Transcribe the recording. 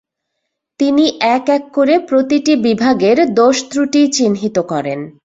তিনি এক এক করে প্রতিটি বিভাগের দোষত্র‚টি চিহ্নিত করেন।